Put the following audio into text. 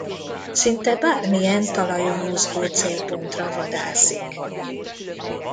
Szinte bármilyen talajon mozgó célpontra vadászik.